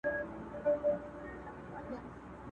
ستا له نوره مو خالقه دا د شپو وطن روښان کې؛